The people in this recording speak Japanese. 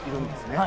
はい。